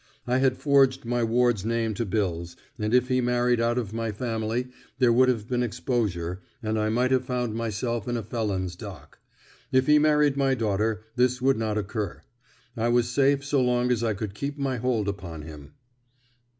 I had forged my ward's name to bills, and if he married out of my family there would have been exposure, and I might have found myself in a felon's dock. If he married my daughter this would not occur. I was safe so long as I could keep my hold upon him."